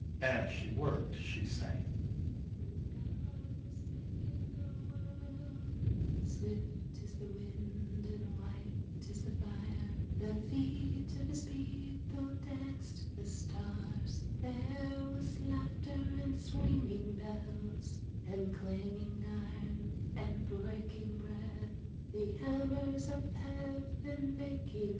As she worked she sang :" When God was making the world, (^Sivift is the ivind and white is the Jire') The feet of his people danced the stars ; There was laughter and swinging bells, And clanging iron and breaking breath, The hammers of heaven making the hills, The vales on the anvil of God.